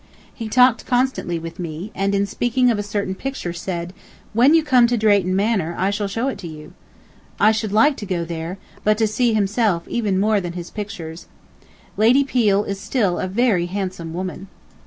He talked constantly with me, and in speaking of a certain picture said, "When you come to Drayton Manor I shall show it to you." I should like to go there, but to see himself even more than his pictures. Lady Peel is still a very handsome woman.